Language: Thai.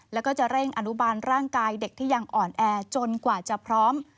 แล้วก็จะเร่งอนุบาลร่างกายเด็กที่ยังอ่อนแอจนกว่าจะพร้อม